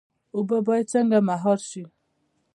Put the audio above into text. اوبه باید څنګه مهار شي؟